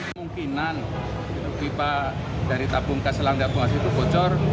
kemungkinan tiba dari tabung gas selang dapur itu bocor